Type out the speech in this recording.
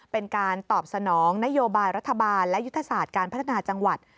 เป็นการตอบสนองนโยบายรัฐบาลและยุทธศาสตร์การพัฒนาจังหวัด